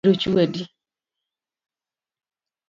Abiro chwadi